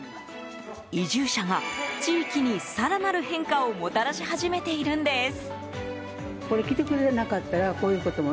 移住者が地域に、更なる変化をもたらし始めているんです。